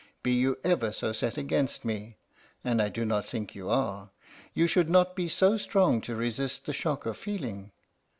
Be you ever so set against me and I do not think you are you should not be so strong to resist the shock of feeling.